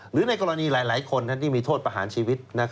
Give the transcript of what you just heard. หรือในกรณีหลายคนที่มีโทษประหารชีวิต